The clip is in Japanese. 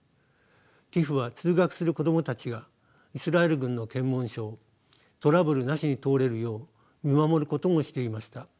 ＴＩＰＨは通学する子供たちがイスラエル軍の検問所をトラブルなしに通れるよう見守ることもしていました。